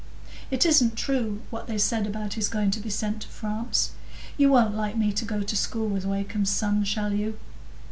It isn't true, what they said about his going to be sent to France. You won't like me to go to school with Wakem's son, shall you?"